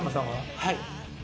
はい。